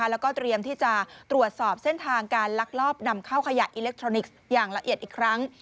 แล้วก็เตรียมที่จะตรวจสอบเส้นทางการลักลอบนำเข้าขยะอิเล็กทรอนิกส์อย่างละเอียดอีกครั้ง